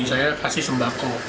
saya kasih sembako